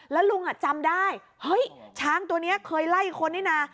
แล้วลุงจำได้เฮ้ยช้างตัวนี้เคยไล่คนนี่นะ